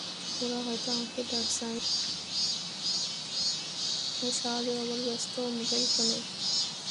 ওরা হয়তো আমাকে ডাকছে, আমি সাড়া দিয়েও আবার ব্যস্ত মোবাইল ফোনে।